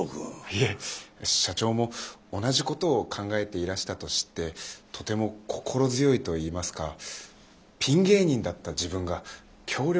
いえ社長も同じことを考えていらしたと知ってとても心強いと言いますかピン芸人だった自分が強力な相方を見つけた気分です。